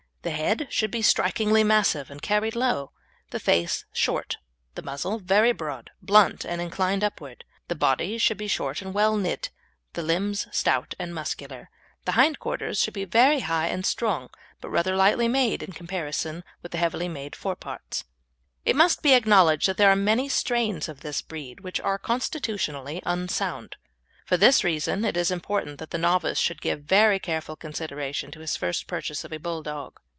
The head should be strikingly massive and carried low, the face short, the muzzle very broad, blunt, and inclined upwards. The body should be short and well knit, the limbs, stout and muscular. The hind quarters should be very high and strong, but rather lightly made in comparison with the heavily made fore parts. It must be acknowledged that there are many strains of this breed which are constitutionally unsound. For this reason it is important that the novice should give very careful consideration to his first purchase of a Bulldog.